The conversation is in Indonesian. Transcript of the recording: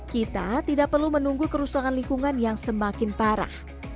kita tidak perlu menunggu kerusakan lingkungan yang semakin parah